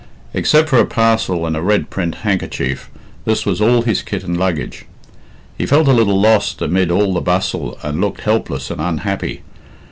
Except for a parcel in a red print handkerchief, this was all his kit and luggage. He felt a little lost amid all the bustle, and looked helpless and unhappy.